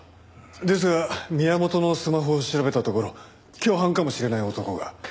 ですが宮本のスマホを調べたところ共犯かもしれない男が。